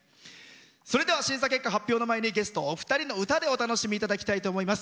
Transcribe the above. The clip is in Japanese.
それでは審査結果発表の前にゲストお二人の歌でお楽しみいただきたいと思います。